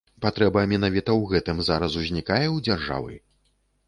Патрэба менавіта ў гэтым зараз узнікае ў дзяржавы?